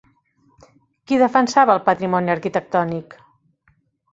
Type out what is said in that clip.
Qui defensava el patrimoni arquitectònic?